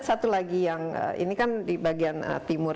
satu lagi yang ini kan di bagian timur